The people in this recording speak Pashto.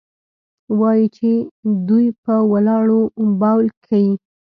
وايي چې دوى په ولاړو بول كيې؟